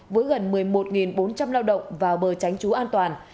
với gần một mươi một bốn trăm linh lao động vào bờ tránh trú an toàn